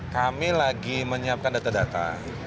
kami lagi menyiapkan data data